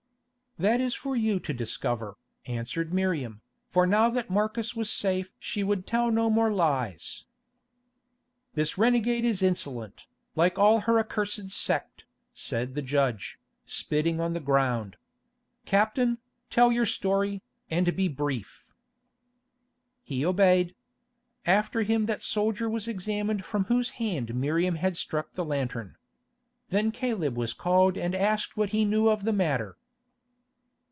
"That is for you to discover," answered Miriam, for now that Marcus was safe she would tell no more lies. "This renegade is insolent, like all her accursed sect," said the judge, spitting on the ground. "Captain, tell your story, and be brief." He obeyed. After him that soldier was examined from whose hand Miriam had struck the lantern. Then Caleb was called and asked what he knew of the matter.